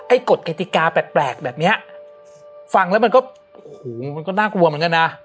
กฎกติกาแปลกแบบเนี้ยฟังแล้วมันก็โอ้โหมันก็น่ากลัวเหมือนกันนะ